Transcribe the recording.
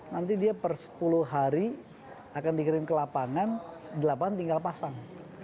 nanti dia per sepuluh hari akan dikirim ke lapangan di lapangan tinggal pasang